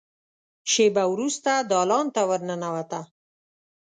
شېبه وروسته دالان ته ور ننوته.